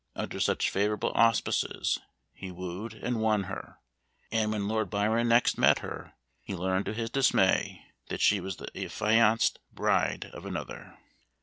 Under such favorable auspices, he wooed and won her, and when Lord Byron next met her, he learned to his dismay that she was the affianced bride of another.